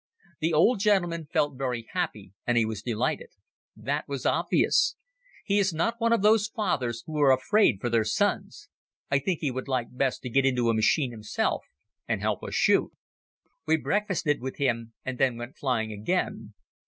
The old gentleman felt very happy and he was delighted. That was obvious. He is not one of those fathers who are afraid for their sons. I think he would like best to get into a machine himself and help us shoot. We breakfasted with him and then we went flying again.